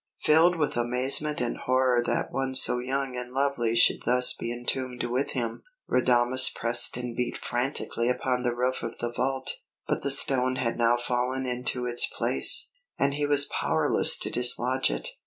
Filled with amazement and horror that one so young and lovely should thus be entombed with him, Radames pressed and beat frantically upon the roof of the vault; but the stone had now fallen into its place, and he was powerless to dislodge it.